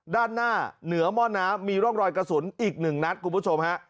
ด้านหน้าเหนือหม้อน้ำมีร่องรอยกระสุนอีกหนึ่งนัดคุณผู้ชมฮะ